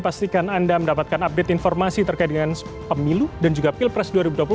pastikan anda mendapatkan update informasi terkait dengan pemilu dan juga pilpres dua ribu dua puluh empat